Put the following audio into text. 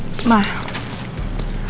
asal mamah tau ya